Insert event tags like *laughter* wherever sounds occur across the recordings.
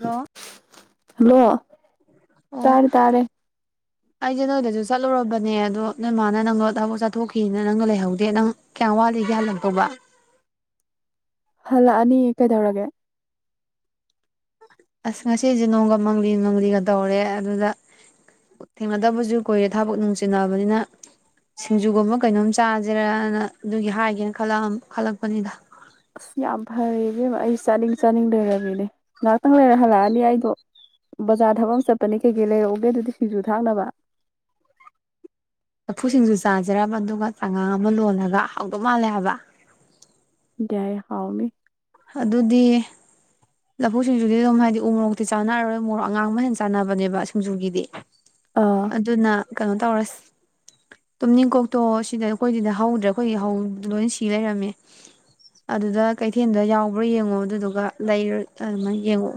Hello hello ꯑꯣ ꯇꯥꯔꯦ ꯇꯥꯔꯦ ꯑꯩꯁꯦ ꯅꯣꯏꯗꯁꯨ ꯆꯠꯂꯨꯔꯕꯅꯦ ꯑꯗꯣ ꯅꯣꯏ ꯃꯥꯅ ꯅꯪꯗꯣ ꯊꯕꯛ ꯆꯠꯊꯣꯛꯈꯤꯅ ꯅꯪꯗꯣ ꯂꯩꯍꯧꯗꯦ ꯅꯪ ꯀꯌꯥꯝ ꯋꯥꯠꯂꯤꯒꯦ ꯍꯜꯂꯛꯇꯧꯕ ꯍꯜꯂꯥꯛꯑꯅꯤ ꯀꯩꯗꯧꯔꯒꯦ ꯑꯁ ꯉꯁꯤꯁꯦ ꯅꯣꯡꯒ ꯃꯪꯂꯤ ꯃꯪꯂꯤꯒ ꯇꯧꯔꯦ ꯑꯗꯨꯗ ꯊꯦꯡꯅꯗꯕꯁꯨ ꯀꯨꯏꯔꯦ ꯊꯕꯛ ꯅꯨꯡꯆꯤꯟꯅꯕꯅꯤꯅ ꯁꯤꯡꯖꯨꯒꯨꯝꯕ ꯀꯩꯅꯣꯝ ꯆꯥꯁꯤꯔꯅ ꯑꯗꯨꯒꯤ ꯍꯥꯏꯒꯦꯅ ꯈꯜ ꯈꯜꯂꯛꯄꯅꯤꯗ ꯑꯁ ꯌꯥꯝ ꯐꯔꯦ ꯏꯕꯦꯝꯃ ꯑꯩ ꯆꯥꯅꯤꯡ ꯆꯥꯅꯤꯡ ꯂꯩꯔꯝꯃꯤꯅꯦ ꯉꯥꯏꯍꯥꯛꯇꯪ ꯂꯩꯔ ꯍꯜꯂꯛꯑꯅꯤ ꯑꯩꯗꯣ ꯕꯖꯥꯔ ꯊꯕꯛ ꯑꯃ ꯆꯠꯄꯅꯤ ꯀꯩꯀꯩ ꯂꯩꯔꯛꯎꯒꯦ ꯑꯗꯨꯗꯤ ꯁꯤꯡꯖꯨ ꯊꯥꯛꯅꯕ ꯂꯐꯨ ꯁꯤꯡꯖꯨ ꯆꯥꯖꯔꯕ ꯑꯗꯨꯒ ꯆꯥꯉꯥ ꯑꯃ ꯂꯣꯜꯂꯒ ꯍꯥꯎꯗꯧ ꯃꯥꯜꯂꯦ ꯍꯥꯏꯕ ꯌꯥꯏ ꯍꯥꯎꯅꯤ ꯑꯗꯨꯗꯤ ꯂꯐꯨ ꯁꯤꯡꯖꯨꯗꯤ ꯑꯗꯨꯝ ꯍꯥꯏꯗꯤ ꯎ ꯃꯣꯔꯣꯛꯇꯤ ꯆꯥꯅꯔꯔꯣꯏ ꯃꯣꯔꯣꯛ ꯑꯉꯥꯡꯕ ꯍꯦꯟ ꯆꯥꯟꯅꯕꯅꯦꯕ ꯁꯤꯡꯖꯨꯒꯤꯗꯤ ꯑꯥ ꯑꯗꯨꯅ ꯀꯩꯅꯣ ꯇꯧꯔꯁ ꯇꯨꯝꯅꯤꯡꯀꯣꯛꯇꯣ ꯁꯤꯗ ꯑꯩꯈꯣꯏꯗꯤꯗꯤ ꯍꯧꯗ꯭ꯔꯦ ꯑꯩꯈꯣꯏꯒꯤ ꯂꯣꯏ ꯁꯤ ꯂꯩꯔꯝꯃꯦ ꯑꯗꯨꯗ ꯀꯩꯊꯦꯜꯗ ꯌꯥꯎꯕ꯭ꯔꯥ ꯌꯦꯡꯉꯣ ꯑꯗꯨꯗꯨꯒ ꯂꯩ ꯑꯗꯨꯃꯥꯏ ꯌꯦꯉꯣ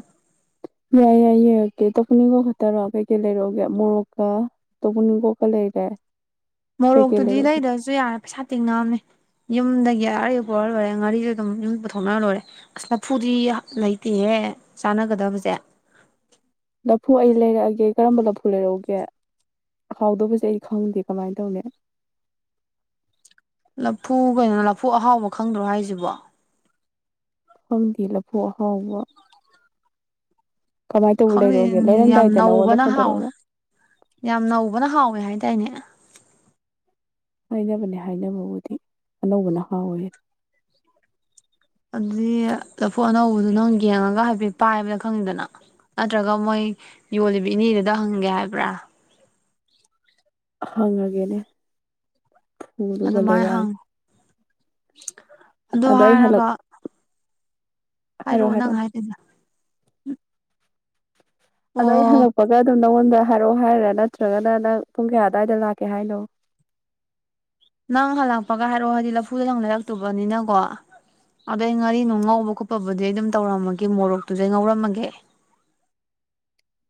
ꯌꯥꯏ ꯌꯥꯏ ꯌꯦꯡꯉꯛꯀꯦ ꯇꯣꯞꯅꯤꯡꯀꯣꯛ ꯈꯛꯇꯔꯑꯣ ꯀꯩꯀꯩ ꯂꯩꯔꯛꯑꯣꯒꯦ ꯃꯣꯔꯣꯛꯀ ꯇꯣꯄꯅꯤꯡꯀꯣꯛꯀ ꯂꯩꯔꯦ ꯀꯩꯀꯩ ꯃꯣꯔꯣꯛꯇꯨꯗꯤ ꯂꯩꯔꯛꯎꯒꯦ ꯂꯩꯗ꯭ꯔꯁꯨ ꯌꯥꯔꯦ ꯄꯩꯁꯥ ꯇꯤꯡꯅꯑꯝꯅꯦ ꯌꯨꯝꯗꯒꯤ ꯑꯔꯩ ꯄꯨꯔ ꯂꯣꯏꯔꯦ ꯉꯥꯔꯤꯁꯨꯦ ꯑꯗꯨꯝ ꯌꯨꯝꯗ ꯄꯨꯊꯣꯛꯅꯔ ꯂꯣꯏꯔꯦ ꯑꯁ ꯂꯐꯨꯗꯤ ꯂꯩꯇꯦꯍꯦ ꯆꯥꯅꯒꯗꯕꯁꯦ ꯂꯐꯨ ꯑꯩ ꯂꯩꯔꯛꯑꯒꯦ ꯀꯔꯝꯕ ꯂꯐꯨ ꯂꯩꯔꯛꯎꯒꯦ ꯍꯥꯎꯗꯕꯁꯦ ꯑꯩ ꯈꯪꯗꯦ ꯀꯃꯥꯏꯅ ꯇꯧꯅꯤ ꯂꯐꯨ ꯀꯩꯅꯣ ꯂꯐꯨ ꯑꯍꯥꯎꯕ ꯈꯪꯗ꯭ꯔꯣ ꯍꯥꯏꯁꯤꯕꯣ ꯈꯪꯗꯦ ꯂꯐꯨ ꯑꯍꯥꯎꯕ ꯀꯃꯥꯏꯅ ꯇꯧꯕ ꯈꯪꯗ ꯂꯩꯔꯛꯎꯒꯦ ꯌꯥꯝ ꯂꯩꯔꯝꯗꯥꯏꯗ ꯅꯉꯣꯟꯗ ꯅꯧꯕꯅ ꯐꯣꯟ ꯍꯥꯎꯋꯦ ꯇꯧꯔꯛꯎꯔꯣ ꯌꯥꯝ ꯅꯧꯕꯅ ꯍꯥꯎꯋꯦ ꯍꯥꯏꯗꯥꯏꯅꯦ ꯍꯥꯏꯅꯕꯅꯦ ꯍꯥꯏꯅꯕꯕꯨꯗꯤ ꯑꯅꯧꯕ ꯅ ꯍꯥꯎꯋꯦ ꯑꯗꯨꯗꯤ ꯂꯐꯨ ꯑꯅꯧꯕꯗꯨ ꯅꯪ ꯌꯦꯡꯉꯒ ꯍꯥꯏꯐꯦꯠ ꯄꯥꯏꯕꯗ ꯈꯪꯅꯤꯗꯅ ꯅꯠꯇ꯭ꯔꯒ ꯃꯣꯏ ꯌꯣꯜꯂꯤꯕ ꯏꯅꯦꯗꯨꯗ ꯍꯪꯒꯦ ꯍꯥꯏꯕ꯭ꯔꯥ ꯍꯪꯉꯒꯦꯅꯦ ꯍꯨꯗꯨꯒ ꯑꯗꯨꯃꯥꯏꯅ ꯂꯩꯔꯛꯑꯒꯦ ꯍꯪꯉꯨ ꯑꯗꯨ ꯑꯗ ꯑꯩ ꯍꯜꯂꯛ ꯍꯥꯏꯔꯒ ꯍꯥꯏꯔꯛꯑꯣ ꯅꯪ ꯍꯥꯏꯗꯣꯏꯗꯣ ꯑꯗꯥꯏ ꯍꯜꯂꯛꯄꯒ ꯗꯨꯝ ꯅꯪꯉꯣꯟꯗ ꯍꯥꯏꯔꯛꯑꯣ ꯍꯥꯏꯔꯥ ꯅꯠꯇ꯭ꯔꯒꯅ ꯅꯪ ꯄꯨꯡ ꯀꯌꯥ ꯑꯗꯥꯏꯗ ꯂꯥꯛꯀꯦ ꯍꯥꯏꯅꯣ ꯅꯪ ꯍꯜꯂꯛꯄꯒ ꯍꯥꯏꯔꯛꯑꯣ ꯍꯥꯏꯗꯤ ꯂꯐꯨꯗ ꯅꯪ ꯂꯩꯔꯛꯇꯨꯕꯅꯤꯅꯀꯣ ꯑꯗꯨꯗ ꯑꯩ ꯉꯥꯔꯤ ꯅꯨꯡ ꯉꯧꯕ ꯈꯣꯠꯄꯕꯨꯗꯤ ꯑꯩ ꯑꯗꯨꯝ ꯇꯧꯔꯝꯃꯒꯦ ꯃꯣꯔꯣꯛꯇꯨꯗꯩ ꯉꯧꯔꯝꯃꯒꯦ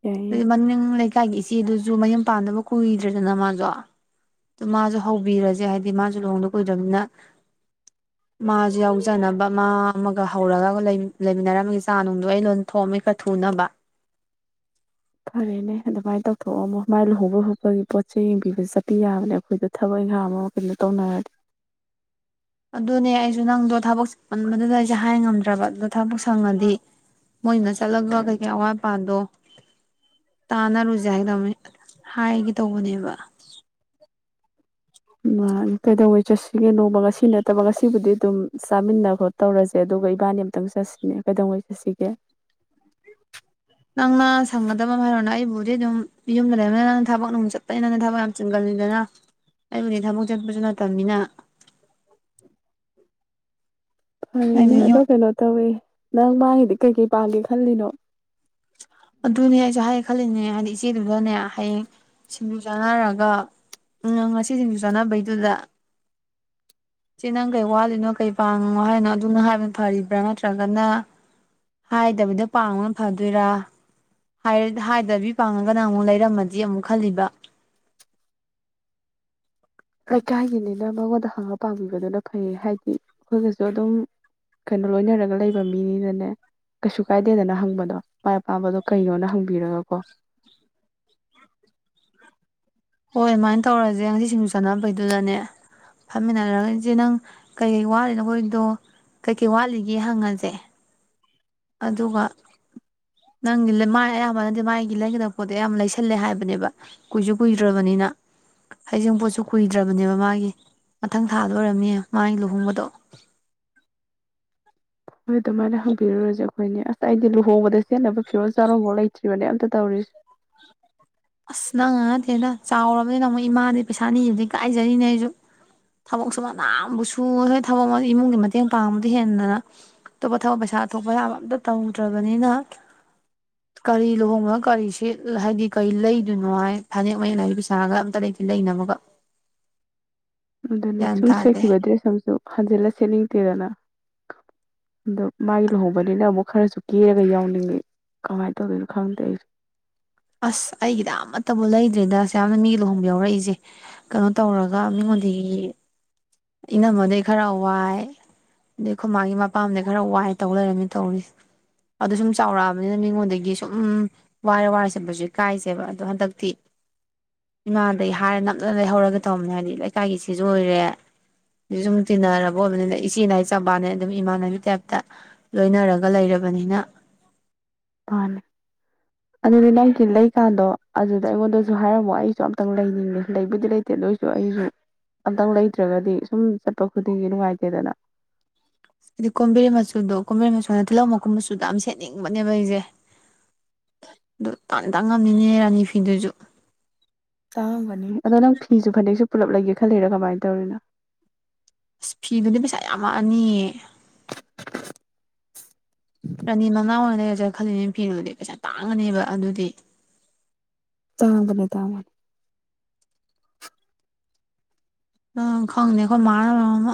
ꯌꯥꯏ ꯌꯥꯏ ꯑꯗꯨ ꯃꯅꯤꯡ ꯂꯩꯀꯥꯏꯒꯤ ꯏꯆꯦ ꯆꯦꯗꯨꯁꯨ ꯃꯌꯨꯝ ꯄꯥꯟꯗꯕ ꯀꯨꯏꯗ꯭ꯔꯦꯗꯅ ꯃꯥꯖꯨ ꯑꯗꯨ ꯃꯥꯖꯨ ꯍꯧꯕꯤꯔꯖꯦ ꯍꯥꯏꯗꯤ ꯃꯥꯁꯨ ꯂꯨꯍꯣꯡꯗ ꯀꯨꯏꯗ꯭ꯔꯅꯤꯅ ꯃꯥꯖꯨ ꯌꯥꯎꯖꯅꯕ ꯃꯥ ꯑꯃꯒ ꯍꯧꯔꯒ ꯂꯩꯃꯤꯟꯅꯔꯝꯃꯤꯒꯦ ꯆꯥ ꯅꯨꯡꯗꯣ ꯑꯩ ꯂꯣꯏ ꯊꯣꯡꯑꯝꯃꯒꯦ ꯊꯨꯅꯕ ꯐꯔꯦꯅꯦ ꯑꯗꯨꯃꯥꯏꯅ ꯇꯧꯊꯣꯛ ꯑꯝꯃꯣ ꯃꯥꯏ ꯂꯨꯍꯣꯡꯕꯩ ꯈꯣꯠꯄꯒꯤ ꯄꯣꯠꯆꯩ ꯌꯦꯡꯕꯤꯕ ꯆꯠꯄꯤ ꯌꯥꯕꯅꯦ ꯑꯩꯈꯣꯏꯗ ꯊꯕꯛ ꯏꯪꯈꯥꯡ ꯑꯃ ꯀꯩꯅꯣ ꯇꯧꯅꯔꯗꯤ ꯑꯗꯨꯅꯦ ꯑꯩꯖꯨ ꯅꯪꯗꯣ ꯊꯕꯛ ꯆꯤꯟꯃꯟꯕꯗꯨꯗ ꯑꯩꯁꯦꯉ ꯍꯥꯏ ꯉꯝꯗ꯭ꯔꯕ ꯑꯗꯨꯗꯣ ꯊꯕꯛ ꯁꯪꯉꯗꯤ ꯃꯣꯏꯅ ꯆꯠꯂꯒ ꯀꯩꯀꯩ ꯑꯋꯥꯠ ꯑꯄꯥꯗꯣ ꯇꯥꯟꯅꯔꯨꯁꯦ ꯍꯥꯏꯒꯗꯅꯤ ꯍꯥꯏꯒꯦ ꯇꯧꯕꯅꯦꯕ ꯎ ꯀꯩꯗꯧꯉꯩ ꯆꯠꯁꯤꯒꯦ ꯅꯣꯡꯃ ꯉꯁꯤ ꯅꯠꯇꯕ ꯉꯁꯤꯕꯨꯗꯤ ꯑꯗꯨꯝ ꯆꯥꯃꯤꯟꯅ ꯈꯣꯠ ꯇꯧꯔꯁꯦ ꯑꯗꯨꯒ ꯏꯕꯥꯅꯤ ꯑꯃꯨꯛꯇꯪ ꯆꯠꯁꯤꯅꯦ ꯀꯩꯗꯧꯉꯩ ꯆꯠꯁꯤꯒꯦ ꯅꯪꯅ ꯁꯪꯒꯗꯕ ꯑꯃ ꯍꯥꯏꯔꯣꯅ ꯑꯩꯕꯨꯗꯤ ꯑꯗꯨꯝ ꯌꯨꯝꯗ ꯂꯩꯕꯅꯤ ꯅꯪꯅ ꯊꯕꯛ ꯅꯨꯡ ꯆꯠꯄꯅꯤ ꯅꯪꯅ ꯊꯕꯛ ꯌꯥꯝ ꯆꯤꯟꯒꯜꯂꯤꯗꯅ ꯑꯩꯕꯨꯗꯤ ꯊꯕꯛ ꯆꯠꯄꯁꯨ ꯅꯠꯇꯕꯅꯤꯅ ꯐꯔꯦꯅꯦ ꯑꯩꯗꯤ ꯌꯨꯝ ꯑꯗꯣ ꯀꯩꯅꯣ ꯇꯧꯋꯦ ꯅꯪ ꯃꯥꯒꯤꯗꯤ ꯀꯩ ꯀꯩ ꯄꯥꯡꯒꯦ ꯈꯜꯂꯤꯅꯣ ꯑꯗꯨꯅꯦ ꯑꯩꯁꯨ ꯍꯥꯏꯒꯦ ꯈꯜꯂꯤꯅꯦ ꯍꯥꯏꯗꯤ ꯏꯆꯦꯗꯨꯗꯅꯦ ꯍꯌꯦꯡ ꯁꯤꯡꯖꯨ ꯆꯥꯅꯔꯒ ꯎ ꯉꯁꯤ ꯁꯤꯡꯖꯨ ꯆꯥꯅꯕꯩꯗꯨꯗ ꯏꯆꯦ ꯅꯪ ꯀꯩ ꯋꯥꯠꯂꯤꯅꯣ ꯀꯩ ꯄꯥꯡꯉꯣ ꯍꯥꯏꯔꯤꯅꯣ ꯑꯗꯨꯅ ꯍꯥꯏꯕꯅ ꯐꯔꯤꯕ꯭ꯔꯥ ꯅꯠꯇ꯭ꯔꯒꯅ ꯍꯥꯏꯗꯕꯤꯗ ꯄꯥꯡꯕꯅ ꯐꯗꯣꯏꯔꯥ ꯍꯥꯏꯗꯕꯤ ꯄꯥꯡꯉꯒꯅ ꯑꯃꯨꯛ ꯂꯩꯔꯝꯃꯗꯤ ꯑꯃꯨꯛ ꯈꯜꯂꯤꯕ ꯂꯩꯀꯥꯏꯒꯤꯅꯤꯅ ꯃꯉꯣꯟꯗ ꯍꯪꯉ ꯄꯥꯝꯕꯤꯕꯗꯨꯅ ꯐꯩꯌꯦ ꯍꯥꯏꯗꯤ ꯑꯩꯈꯣꯏꯒꯁꯨ ꯑꯗꯨꯝ ꯀꯩꯅꯣ ꯂꯣꯏꯅꯔꯒ ꯂꯩꯕ ꯃꯤꯅꯤꯅꯅꯦ ꯀꯩꯁꯨ ꯀꯥꯏꯗꯦꯗꯅ ꯍꯪꯕꯗꯣ ꯃꯥꯏ ꯑꯄꯥꯝꯕꯗꯣ ꯀꯩꯅꯣꯅ ꯍꯪꯕꯤꯔꯒꯀꯣ ꯍꯣꯏ ꯑꯗꯨꯃꯥꯏꯅ ꯇꯧꯔꯖꯦ ꯉꯁꯤ ꯁꯤꯡꯖ ꯆꯥꯟꯅꯕꯩꯗꯨꯗꯅꯦ ꯐꯝꯃꯤꯟꯅꯔ ꯏꯆꯦ ꯅꯪ ꯀꯩꯀꯩ ꯋꯥꯠꯂꯤ ꯅꯈꯣꯏꯗꯣ ꯀꯩꯀꯩ ꯋꯥꯠꯂꯤꯒꯦ ꯍꯪꯉꯖꯦ ꯑꯗꯨꯒ ꯅꯪꯒꯤ ꯃꯥꯏ ꯑꯌꯥꯝꯕꯅꯗꯤ ꯃꯥꯒꯤ ꯂꯩꯒꯗꯕ ꯄꯣꯠꯇꯣ ꯌꯥꯝꯌꯥꯝ ꯂꯩꯁꯜꯂꯦ ꯍꯥꯏꯕꯅꯦꯕ ꯀꯨꯏꯁꯨ ꯀꯨꯏꯗ꯭ꯔꯕꯅꯤꯅ ꯍꯩꯖꯤꯡ ꯄꯣꯠꯁꯨ ꯀꯨꯏꯗ꯭ꯔꯕꯅꯦꯕ ꯃꯥꯒꯤ ꯃꯊꯪ ꯊꯥꯗ ꯑꯣꯏꯔꯝꯅꯤꯌꯦ ꯃꯥꯒꯤ ꯂꯨꯍꯣꯡꯕꯗꯣ ꯍꯣꯏ ꯑꯗꯨꯃꯥꯏꯅ ꯍꯪꯕꯤꯔꯨꯔꯁꯦ ꯑꯩꯈꯣꯏꯅꯤ ꯑꯁ ꯑꯩꯗꯤ ꯂꯨꯍꯣꯡꯕꯗ ꯁꯦꯠꯅꯕ ꯐꯤꯔꯣꯜ ꯆꯥꯔꯣꯡꯐꯥꯎ ꯂꯩꯇ꯭ꯔꯤꯕꯅꯦ ꯑꯝꯇ ꯇꯧꯔꯤꯁꯦ ꯑꯁ ꯅꯪ ꯗ ꯅꯠꯇꯦꯗ ꯆꯥꯎꯔꯕꯅꯤꯅ ꯑꯃꯨꯛ ꯏꯃꯥꯗꯤ ꯄꯩꯁꯥ ꯅꯤꯗꯨꯕ ꯏꯀꯥꯏꯖꯔꯤꯅꯦ ꯑꯩꯁꯨ ꯊꯕꯛꯁꯨ ꯃꯅꯥ ꯑꯃ ꯐꯥꯎꯕꯨ ꯁꯨ ꯍꯣꯏ ꯊꯕꯛ ꯏꯃꯨꯡꯒꯤ ꯃꯇꯦꯡ ꯄꯥꯡꯕꯗꯤ ꯍꯦꯟꯗꯅ ꯑꯇꯣꯞꯄ ꯊꯕꯛ ꯄꯩꯁꯥ ꯊꯣꯛꯄ ꯌꯥꯕ ꯑꯝꯇ ꯇꯧꯗ꯭ꯔꯕꯅꯤꯅ ꯀꯔꯤ ꯂꯨꯍꯣꯡꯕꯅ ꯀꯔꯤ ꯁꯦꯠ ꯍꯥꯏꯗꯤ ꯀꯩ ꯂꯩꯗꯣꯏꯅꯣ ꯍꯥꯏ ꯐꯅꯦꯛ ꯃꯌꯦꯛ ꯅꯥꯏꯕꯤ ꯄꯩꯁꯥꯒ ꯑꯝꯇ ꯂꯩꯇꯦ ꯂꯩꯅꯕꯒ ꯑꯗꯨꯅꯦ ꯒ꯭ꯌꯥꯟ ꯁꯨꯝ ꯇꯥꯗꯦ ꯁꯦꯠꯈꯤꯕ ꯗ꯭ꯔꯦꯁ ꯑꯃꯁꯨ ꯍꯟꯖꯤꯜꯂ ꯁꯦꯠꯅꯤꯡ ꯅꯠꯇꯦꯗꯅ ꯑꯗꯣ ꯃꯥꯒꯤ ꯂꯨꯍꯣꯡꯕꯅꯤꯅ ꯑꯃꯨꯛ ꯈꯔꯁꯨ ꯀꯦꯔꯒ ꯌꯥꯎꯅꯤꯡꯉꯤ ꯀꯃꯥꯏꯅ ꯇꯧꯗꯣꯏꯅꯣ ꯈꯪꯗꯦ ꯑꯩꯁꯨ ꯑꯁ ꯑꯩꯒꯤꯗ ꯑꯃꯠꯇꯕꯨ ꯂꯩꯗ꯭ꯔꯤꯗ ꯑꯁꯨꯛ ꯌꯥꯝꯅ ꯃꯤ ꯂꯨꯍꯣꯡꯕ ꯌꯥꯎꯔꯛꯏꯁꯦ ꯀꯩꯅꯣ ꯇꯧꯔꯒ ꯃꯤꯉꯣꯟꯗꯒꯤ ꯏꯅꯝꯃꯗꯒꯤꯩ ꯈꯔ ꯋꯥꯏ ꯑꯗꯩ ꯑꯩꯈꯣꯏ ꯃꯥꯖꯨ ꯄꯥꯝꯗꯒꯤ ꯈꯔ ꯋꯥꯏ ꯇꯧ ꯂꯩꯔꯝꯃꯤ ꯇꯧꯔꯤꯁꯦ ꯑꯗꯨ ꯁꯨꯝ ꯆꯥꯎꯔꯛꯑꯕꯅꯤꯅ ꯃꯤꯉꯣꯟꯗꯒꯤ ꯁꯨꯝ ꯋꯥꯏꯔ ꯋꯥꯏꯔ ꯆꯠꯄꯁꯨ ꯏꯀꯥꯏꯖꯩꯕ ꯑꯗꯣ ꯍꯟꯗꯛꯇꯤ ꯏꯃꯥꯗꯩ ꯍꯥꯏꯔꯦ ꯅꯝꯗꯅ ꯂꯩꯍꯧꯔꯒ ꯇꯧꯕꯅꯦ ꯍꯥꯏꯕꯗꯤ ꯂꯩꯀꯥꯏꯒꯤ ꯁꯤꯁꯨ ꯑꯣꯏꯔꯦ ꯑꯗꯨ ꯁꯨꯝ ꯇꯤꯟꯅꯔꯕ ꯑꯣꯏꯕꯅꯤꯅ ꯏꯆꯦꯅꯦ ꯍꯥꯏꯖꯕꯩ ꯋꯥꯅꯦ ꯑꯗꯨꯝ ꯏꯃꯥꯟꯅꯕꯤ ꯇꯥꯏꯞꯇ ꯂꯣꯏꯅꯔꯒ ꯂꯩꯔꯕꯅꯤꯅ ꯃꯥꯅꯤ ꯑꯗꯨꯗꯤ ꯅꯪꯒꯤ ꯂꯩꯀꯥꯟꯗꯣ ꯑꯗꯨꯗ ꯑꯩꯉꯣꯟꯗꯁꯨ ꯍꯥꯏꯔꯝꯃꯣ ꯑꯩꯁꯨ ꯑꯝꯇꯪ ꯂꯩꯅꯤꯡꯉꯦ ꯂꯩꯕꯨꯗꯤ ꯂꯩꯇꯦ ꯑꯗꯨꯏꯁꯨ ꯑꯩꯁꯨ ꯑꯝꯇꯪ ꯂꯩꯇ꯭ꯔꯒꯗꯤ ꯁꯨꯝ ꯆꯠꯄ ꯈꯨꯗꯤꯡꯒꯤ ꯅꯨꯡꯉꯥꯏꯇꯦꯗꯅ ꯍꯥꯏꯗꯤ ꯀꯣꯝꯕꯤꯔꯩ ꯃꯆꯨꯗꯣ ꯀꯣꯝꯝꯕꯤꯔꯩ ꯃꯆꯨꯅ ꯇꯤꯜꯍꯧ ꯃꯀꯨꯝ ꯃꯆꯨꯗꯣ ꯌꯥꯝ ꯁꯦꯠꯅꯤꯡꯕꯅꯦꯕ ꯑꯩꯁꯦ ꯑꯗꯨ ꯇꯥꯡꯗꯤ ꯇꯥꯡ ꯉꯝꯅꯤꯅꯦ ꯔꯥꯅꯤ ꯐꯤꯗꯨꯁꯨ ꯇꯥꯡꯉꯝꯒꯅꯤ ꯑꯗꯣ ꯅꯪ ꯐꯤꯁꯨ ꯐꯅꯦꯛꯁꯨ ꯄꯨꯜꯂꯞ ꯂꯩꯒꯦ ꯈꯜꯂꯤꯔꯥ ꯀꯃꯥꯏꯅ ꯇꯧꯔꯤꯅꯣ ꯑꯁ ꯐꯤꯗꯨꯗꯤ ꯄꯩꯁꯥ ꯌꯥꯝꯃꯛꯑꯅꯤꯌꯦ ꯔꯥꯅꯤ ꯃꯅꯥꯎ ꯑꯣꯏꯅ ꯂꯩꯔꯁꯤꯔ ꯈꯜꯂꯤꯅꯦ ꯐꯤꯗꯨꯗꯤ ꯄꯩꯁꯥ ꯇꯥꯡꯉꯅꯦꯕ ꯑꯗꯨꯗꯤ ꯇꯥꯡꯕꯅꯦ ꯇꯥꯡꯕꯅꯤ ꯅꯪ ꯈꯪꯅꯤ ꯑꯩꯈꯣꯏ ꯃꯥꯅ ꯃꯔꯝ ꯑꯃ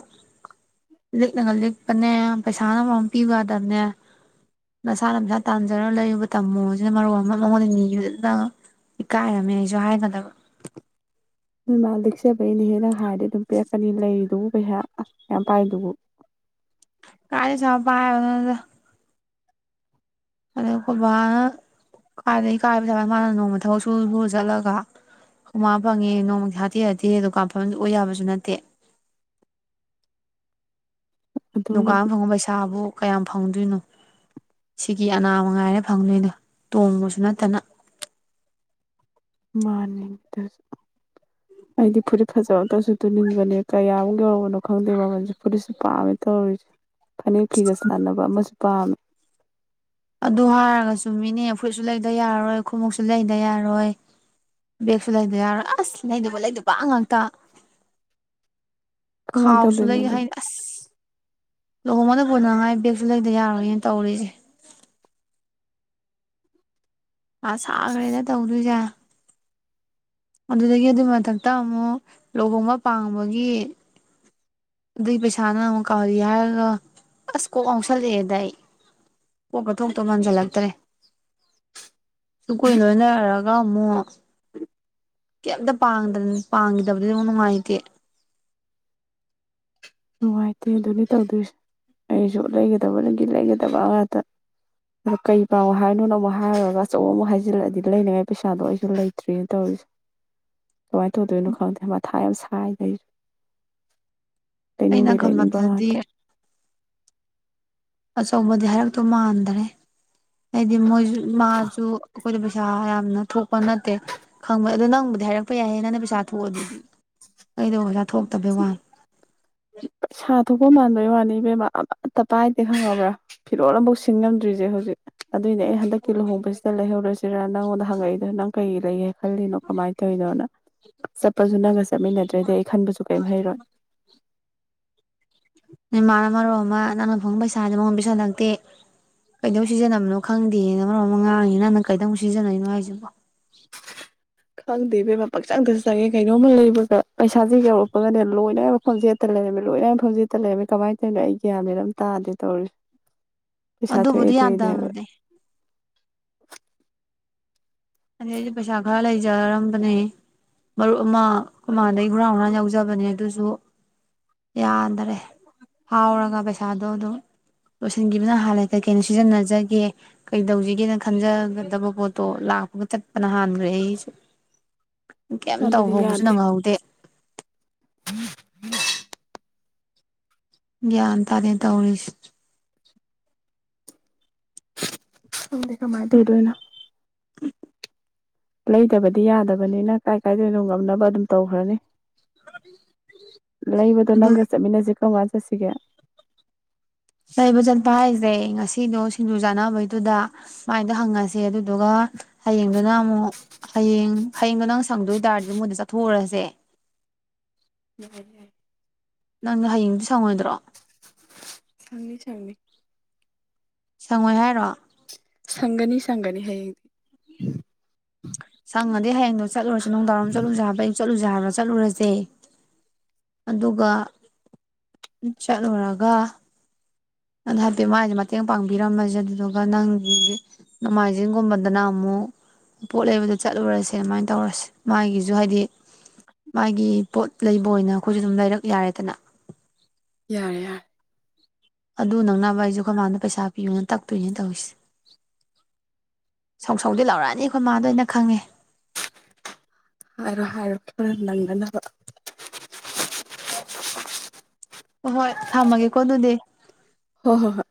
ꯂꯤꯛꯂꯒ ꯂꯤꯛꯄꯅꯦ ꯄꯩꯁꯥꯅ ꯃꯔꯣꯝ ꯄꯤꯌꯨ ꯌꯥꯗꯕꯅꯦ ꯅꯁꯥꯅ ꯅꯁꯥ ꯇꯥꯟꯖꯔꯒ ꯂꯩꯕ ꯇꯝꯃꯨꯕꯖꯤꯅ ꯃꯔꯣꯜ ꯑꯃ ꯃꯉꯣꯟꯗ ꯅꯤꯕꯗꯨꯃ ꯏꯀꯥꯏꯔꯝꯃꯦ ꯑꯩꯁꯨ ꯍꯥꯏꯒꯗꯕ ꯅꯣꯏ ꯃꯥ ꯂꯤꯛꯆꯕꯩꯅꯦꯍꯦ ꯅꯪ ꯍꯥꯏꯔꯗꯤ ꯑꯗꯨꯝ ꯄꯤꯔꯛꯀꯅꯤ ꯂꯩꯔꯤꯗꯨꯕꯨ ꯄꯩꯁꯥ ꯌꯥꯝ ꯄꯥꯏꯗꯨꯕꯨ ꯀꯥꯏꯗꯩ ꯄꯩꯁꯥ ꯄꯥꯏꯕꯅꯣꯗ ꯑꯗꯣ ꯑꯩꯈꯣꯏ ꯕꯥꯅ ꯀꯥꯏꯗꯒꯤ ꯀꯥꯏ ꯄꯩꯁꯥꯅ ꯃꯥꯅ ꯅꯣꯡꯃ ꯊꯕꯛ ꯁꯨ ꯂꯨꯔ ꯆꯠꯂꯒ ꯑꯩꯈꯣꯏ ꯃꯥ ꯐꯪꯉꯤ ꯅꯣꯡꯃꯗꯤ ꯍꯥꯇꯦ ꯍꯥꯠꯇꯦ ꯗꯨꯀꯥꯟ ꯐꯝꯃꯤ ꯑꯣꯏ ꯌꯥꯕꯁꯨ ꯅꯠꯇꯦ ꯗꯨꯀꯥꯟ ꯑꯗꯨꯕꯨꯗꯤ ꯐꯪꯕ ꯄꯩꯁꯥꯕꯨ ꯀꯌꯥꯝ ꯐꯪꯗꯣꯏꯅꯣ ꯁꯤꯀꯤ ꯑꯅꯥ ꯃꯉꯥꯏꯔꯦ ꯐꯪꯗꯣꯏꯗꯣ ꯇꯣꯡꯕꯁꯨ ꯅꯠꯇꯅ ꯃꯥꯅꯤꯅꯦ ꯑꯗꯨꯁꯨ ꯑꯩꯗꯤ ꯐꯨꯔꯤꯠ ꯐꯖꯕ ꯑꯝꯇꯁꯨ ꯇꯨꯅꯤꯡꯕꯅꯦ ꯀꯌꯥꯃꯨꯛ ꯌꯧꯕꯅꯣ ꯈꯪꯗꯦ ꯃꯃꯜꯖꯦ ꯐꯨꯔꯤꯠ ꯄꯥꯝꯃꯤ ꯇꯧꯔꯤꯖꯦ ꯐꯅꯦꯛ ꯐꯤꯒ ꯆꯥꯟꯅꯕ ꯑꯃꯖꯨ ꯄꯥꯝ ꯑꯗꯨ ꯍꯥꯏꯔꯒꯁꯨ ꯃꯤꯅꯦ ꯐꯨꯔꯤꯠꯁꯨ ꯂꯩꯗ ꯌꯥꯔꯣꯏ ꯈꯨꯣꯡꯎꯞꯁꯨ ꯂꯩꯗ ꯌꯥꯔꯣꯏ ꯕꯦꯒꯁꯨ ꯂꯩꯗ ꯌꯥꯔꯣꯏ ꯑꯁ ꯂꯩꯗꯧꯕꯒꯤ ꯂꯩꯗꯧꯕ ꯉꯥꯛꯇ ꯀꯃꯥꯏꯅ ꯈꯥꯎꯁꯨ ꯇꯧꯗꯣꯏꯅꯣ ꯂꯩ ꯍꯥꯏ ꯑꯗꯨꯕꯨ ꯑꯁ ꯂꯨꯍꯣꯡꯉꯗ ꯄꯨꯅꯉꯥꯏ ꯕꯦꯒꯁꯨ ꯂꯩꯇ ꯌꯥꯔꯣꯏ ꯇꯧꯔꯤꯁꯦ ꯑ ꯁꯥꯈ꯭ꯔꯦꯅ ꯇꯧꯗꯣꯏꯁꯦ ꯑꯗꯨꯗꯒꯤ ꯑꯗꯨꯒꯤ ꯃꯊꯛꯇ ꯑꯃꯨꯛ ꯂꯨꯍꯣꯡꯕ ꯄꯥꯡꯕꯒꯤ ꯑꯗꯨꯒꯤ ꯄꯩꯁꯥꯅ ꯑꯃꯨꯛ ꯀꯥꯔꯤ ꯍꯥꯏꯔꯒ ꯑꯁ ꯀꯣꯛ ꯉꯥꯎꯁꯜꯂꯛꯑꯦꯗ ꯑꯩ ꯀꯣꯛꯀ ꯊꯣꯛꯇꯧ ꯃꯥꯟꯖꯜꯂꯛꯇ꯭ꯔꯦ ꯁꯨ ꯀꯣꯏꯅ ꯂꯣꯏꯅꯔꯒ ꯑꯃꯨꯛ ꯀꯩꯝꯇ ꯄꯥꯡꯗꯅ ꯄꯥꯡꯈꯤꯗꯕꯗꯤ ꯑꯃꯨꯛ ꯅꯨꯡꯉꯥꯏꯇꯦ ꯅꯨꯡꯉꯥꯏꯇꯦ ꯑꯗꯨꯅꯤ ꯇꯧꯗꯣꯏꯁꯦ ꯑꯩꯁꯨ ꯂꯩꯒꯗꯕ ꯒꯤ ꯂꯩꯒꯗꯕ ꯉꯥꯛꯇ ꯑ ꯀꯩ ꯄꯥꯡꯉꯣ ꯍꯥꯏꯅꯣꯅ ꯑꯃꯨꯛ ꯍꯥꯏꯔꯨꯔꯒ ꯑꯆꯧ ꯑꯃꯨꯛ ꯍꯥꯏꯖꯤꯜꯂꯛꯑꯗꯤ ꯂꯩꯅꯉꯥꯏ ꯄꯩꯁꯥꯗꯣ ꯑꯩꯁꯨ ꯂꯩꯇ꯭ꯔꯤꯅ ꯇꯧꯔꯤꯁꯦ ꯀꯃꯥꯏꯅ ꯇꯧꯗꯣꯏꯅꯣ ꯈꯪꯗꯦ ꯃꯊꯥ ꯌꯥꯝ ꯁꯥꯏ *unintelligible* ꯑꯩꯅ ꯈꯪꯕꯗꯗꯤ ꯑꯆꯧꯕꯗꯤ ꯍꯥꯏꯔꯛꯇꯨ ꯃꯥꯟꯗꯔꯦ ꯍꯥꯏꯗꯤ ꯃꯣꯏꯁꯨ ꯃꯥꯖꯨ ꯑꯩꯈꯣꯏꯗ ꯄꯩꯁꯥ ꯌꯥꯝꯅ ꯊꯣꯛꯄ ꯅꯠꯇꯦ ꯈꯪꯕ ꯑꯗꯣ ꯅꯪꯕꯨꯗꯤ ꯍꯥꯏꯔꯛꯄ ꯌꯥꯏꯌꯦ ꯅꯪꯅ ꯄꯩꯁꯥ ꯊꯣꯛꯑ ꯑꯗꯨꯗꯤ ꯑꯩꯗꯕꯨ ꯄꯩꯁꯥ ꯊꯣꯛꯇꯕꯩ ꯋꯥꯅꯤ ꯁꯥ ꯊꯣꯛꯄ ꯃꯥꯟꯕꯩ ꯋꯥꯅꯤ ꯏꯕꯦꯝꯃ ꯑꯃꯠꯇ ꯄꯥꯏꯗꯦ ꯈꯪꯉꯕ꯭ꯔꯥ ꯐꯤꯔꯣꯜ ꯑꯃꯐꯥꯎ ꯁꯤꯟ ꯉꯝꯗ꯭ꯔꯤꯁꯦ ꯍꯧꯖꯤꯛ ꯑꯗꯨꯅꯦ ꯑꯩ ꯍꯟꯗꯛꯀꯤ ꯂꯨꯍꯣꯡꯕꯁꯤꯗ ꯂꯩꯍꯧꯔꯁꯤ ꯁꯤꯔꯥ ꯅꯪꯉꯣꯟꯗ ꯍꯪꯉꯛꯏꯗꯣ ꯅꯪ ꯀꯩ ꯂꯩꯌꯦ ꯈꯜꯂꯤꯅꯣ ꯀꯃꯥꯏꯅ ꯇꯧꯔꯤꯅꯣꯅ ꯆꯠꯄꯁꯨ ꯅꯪꯒ ꯆꯠꯃꯤꯟꯅꯗ꯭ꯔꯗꯤ ꯑꯩ ꯈꯟꯕꯁꯨ ꯀꯔꯤꯝ ꯍꯩꯔꯣꯏ *unintelligible* ꯃꯔꯣꯝ ꯑꯃ ꯅꯪꯅ ꯐꯪ ꯄꯩꯁꯥꯥꯁ ꯃꯉꯣꯟ ꯄꯩꯁꯜꯂꯛꯇꯦ ꯀꯩꯗꯧ ꯁꯤꯖꯤꯟꯅꯕꯅꯣ ꯈꯪꯗꯦꯅ ꯃꯔꯣꯟ ꯑꯃ ꯉꯥꯡꯉꯤ ꯅꯪꯅ ꯀꯩꯗ ꯑꯃꯨꯛ ꯁꯤꯖꯤꯟꯅꯩꯅꯣ ꯍꯥꯏꯁꯤꯕꯣ ꯈꯪꯗꯦ ꯕꯦꯕꯥ ꯄꯛꯆꯪꯗꯁꯨ ꯆꯪꯉꯦ ꯀꯩꯅꯣꯝꯃ ꯂꯩꯕꯒ ꯄꯩꯁꯥꯥꯁꯦ ꯌꯧꯔꯛꯄꯒꯅꯦ ꯂꯣꯏꯅꯃꯛ ꯐꯥꯎꯖꯦꯠꯇ ꯂꯩꯔꯝꯃꯤ ꯂꯣꯏꯅꯃꯛ ꯐꯥꯎꯖꯦꯠꯇ ꯂꯩꯔꯝꯃꯤ ꯀꯃꯥꯏꯅ ꯇꯧꯔꯤꯅꯣ ꯑꯩ ꯒ꯭ꯌꯥꯟꯅꯤꯅ ꯑꯗꯨꯝ ꯇꯥꯗꯦ ꯇꯧꯔꯤ ꯑꯗꯨꯕꯨꯗꯤ ꯌꯥꯗꯕꯗꯤ *inaudible* ꯑꯗꯩ ꯑꯩꯁꯨ ꯄꯩꯁꯥ ꯈꯔ ꯂꯩꯖꯔꯝꯕꯅꯦ ꯃꯔꯨꯞ ꯑꯃ ꯃꯥꯡꯗꯩ ꯍꯨꯔꯥꯡ ꯍꯨꯔꯥꯟ ꯌꯥꯎꯖꯕꯅꯦ ꯑꯗꯨꯁꯨ ꯌꯥꯗꯔꯦ ꯍꯥꯎꯔꯒ ꯄꯩꯁꯥꯗꯣ ꯑꯗꯨꯝ ꯂꯣꯏꯁꯤꯟꯈꯤꯕꯅ ꯍꯥꯜꯂꯦ ꯀꯩꯀꯩꯅ ꯁꯤꯖꯤꯟꯅꯖꯒꯦ ꯀꯩ ꯇꯧꯁꯤꯒꯦꯅ ꯈꯟꯖꯒꯗꯕ ꯄꯣꯠꯇꯣ ꯂꯥꯛꯄꯒ ꯆꯟꯄꯅꯍꯥꯟꯒꯔꯦ ꯑꯩꯒꯤꯁꯨ꯫ ꯀꯩꯝ ꯇꯧ ꯑꯗꯨꯅꯤ ꯍꯧꯕꯁꯨ ꯌꯥꯗꯦ ꯅꯪꯍꯧꯗꯦ ꯭ꯒꯌꯥꯟ ꯇꯥꯗꯦ ꯇꯧꯔꯤꯁ ꯈꯪꯗꯦ ꯀꯃꯥꯏ ꯇꯧꯗꯣꯏꯅꯣ ꯂꯩꯇꯕꯗꯤ ꯌꯥꯗꯕꯅꯤꯅ ꯀꯥꯏ ꯀꯥꯏꯗꯅꯣ ꯉꯝꯅꯕ ꯑꯗꯨꯝ ꯇꯧꯈ꯭ꯔꯅꯤ ꯂꯩꯏꯕꯗꯨ ꯑꯗꯨ ꯅꯪꯒ ꯆꯠ ꯃꯤꯟꯅꯖꯤ ꯀꯝ ꯆꯠꯁꯤꯒꯦ ꯂꯩꯕ ꯆꯠꯄ ꯍꯥꯏꯁꯦ ꯉꯁꯤꯗꯣ ꯁꯤꯡꯗꯨꯨ ꯆꯥꯅꯕꯩꯗꯨꯗ ꯁꯨꯃꯥꯏꯅꯗ ꯍꯪꯉꯁꯦ ꯑꯗꯨꯗꯨꯒ ꯍꯌꯦꯡꯗꯨꯅ ꯑꯃꯨꯛ ꯍꯌꯦꯡ ꯍꯌꯦꯡꯗꯣ ꯅꯪ ꯁꯪꯗꯣꯏ ꯇꯥꯔꯗꯤ ꯃꯣꯏꯗ ꯆꯠꯊꯣꯛꯎꯔꯁꯦ *inaudible* ꯅꯪꯅ ꯍꯌꯦꯡꯗꯤ ꯁꯪꯉꯣꯏꯗ꯭ꯔꯣ ꯁꯪꯅꯤ ꯁꯪꯅꯤ ꯁꯪꯉꯣꯏ ꯍꯥꯏꯔꯣ ꯁꯪꯒꯅꯤ ꯁꯪꯒꯅꯤ ꯍꯌꯦꯡꯗꯤ ꯁꯪꯉꯅꯗꯤ ꯍꯥꯏꯌꯦꯡꯅ ꯆꯠꯂꯨꯔꯁꯤ ꯗꯥꯡꯋꯥꯔꯝ ꯆꯠꯂꯨꯁꯦꯕ ꯑꯌꯨꯛ ꯆꯠꯂꯨ ꯕꯖꯥꯔꯗ ꯆꯠꯂꯨꯔꯁꯦ ꯑꯗꯨꯒ ꯆꯠꯂꯨꯔꯒ ꯅꯪ ꯍꯥꯏꯐꯦꯠ ꯃꯥꯥꯏꯁꯦ ꯃꯇꯦꯡ ꯄꯥꯡꯕꯤꯔꯝꯃꯁꯦ ꯑꯗꯨꯗꯨꯒ ꯅꯪꯒꯤ ꯅꯣꯡꯃꯥꯏꯖꯤꯡꯒꯨꯝꯕꯗꯅ ꯑꯃꯨꯛ ꯄꯣꯠ ꯂꯩꯕꯗ ꯆꯠꯂꯨꯔꯁꯦ ꯑꯗꯨꯃꯥꯏꯅ ꯇꯧꯔꯁꯦ ꯃꯥꯒꯤꯁꯨ ꯍꯥꯏꯗꯤ ꯃꯥꯒꯤ ꯄꯣꯠ ꯂꯩꯕ ꯑꯣꯏꯅ ꯑꯈꯣꯏꯁꯨ ꯑꯗꯨꯝ ꯂꯩꯔꯛ ꯌꯥꯔꯦꯗꯅ ꯌꯥꯔꯦ ꯌꯥꯔꯦ ꯑꯗꯨ ꯅꯪꯅꯕ ꯑꯩꯁꯨ ꯑꯈꯣꯏ ꯃꯥꯗ ꯄꯩꯁꯥ ꯄꯤꯌꯨꯅ ꯇꯛꯇꯣꯏꯅꯤ ꯇꯧꯔꯤꯁꯦ ꯁꯧꯁꯧꯗꯤ ꯂꯧꯔꯛꯑꯅꯤ ꯑꯈꯣꯏ ꯃꯥꯗꯣ ꯑꯩꯅ ꯈꯪꯉꯦ ꯍꯥꯏꯔꯣ ꯍꯥꯏꯔꯣ ꯈꯔ ꯅꯪꯅꯅꯕ ꯍꯣ ꯍꯣꯏ ꯊꯝꯃꯒꯦꯀꯣ ꯑꯗꯨꯗꯤ ꯍꯣ ꯍꯣ ꯍꯣꯏ